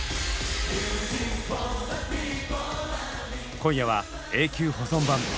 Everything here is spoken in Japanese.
今夜は永久保存版。